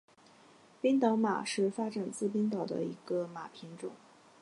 冰岛马是发展自冰岛的一个马品种。